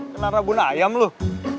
kena rabun ayam loh